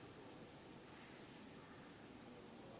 jadi kita harus mengingatkan